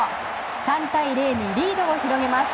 ３対０にリードを広げます。